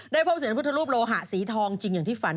พบเสียงพุทธรูปโลหะสีทองจริงอย่างที่ฝัน